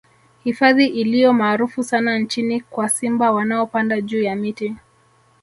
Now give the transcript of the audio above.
Hifadhi iliyo maarufu sana nchini kwa simba wanaopanda juu ya miti